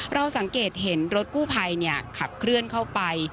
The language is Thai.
เราสังเกตเห็นรถกู้ภัยขับเคลื่อนเข้าไป